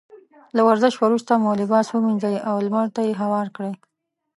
له ورزش وروسته مو لباس ومينځئ او لمر ته يې هوار کړئ.